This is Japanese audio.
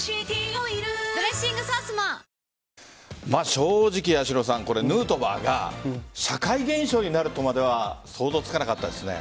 正直、ヌートバーが社会現象になるとまでは想像つかなかったですね。